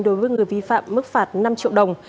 đối với người vi phạm mức phạt năm triệu đồng